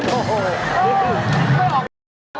โอ๊ย